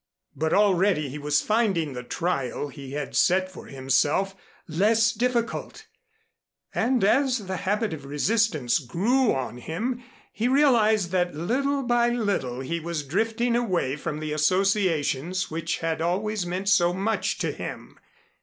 But already he was finding the trial he had set for himself less difficult; and as the habit of resistance grew on him, he realized that little by little he was drifting away from the associations which had always meant so much to him.